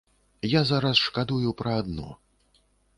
Я зараз шкадую пра адно.